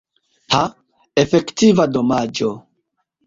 Ha, efektiva domaĝo!